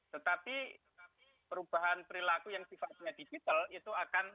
tetapi perubahan perilaku yang sifatnya digital itu akan